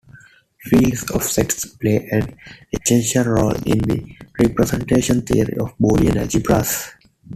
Fields of sets play an essential role in the representation theory of Boolean algebras.